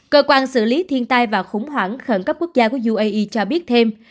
cơ quan xử lý thiên tai và khủng hoảng khẩn cấp quốc gia của uae cho biết thêm